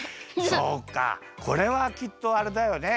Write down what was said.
そうかそれはきっとあれだよね